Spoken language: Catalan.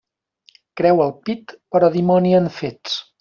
Creu al pit, però dimoni en fets.